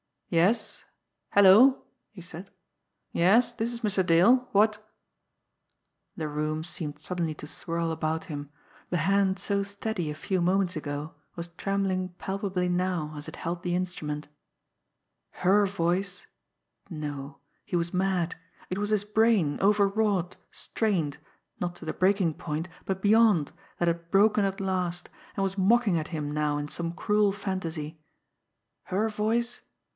"Yes hello!" he said. "Yes, this is Mr. Dale. What " The room seemed suddenly to swirl about him the hand so steady a few moments ago was trembling palpably now as it held the instrument. Her voice? No he was mad! It was his brain, overwrought, strained, not to the breaking point, but beyond, that had broken at last, and was mocking at him now in some cruel phantasy. Her voice?